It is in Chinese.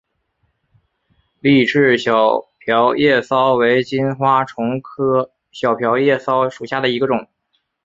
丽翅小瓢叶蚤为金花虫科小瓢叶蚤属下的一个种。